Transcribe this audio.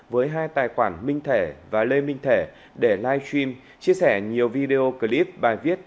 với hai tài khoản minh thể và lê minh thể để live stream chia sẻ nhiều video clip bài viết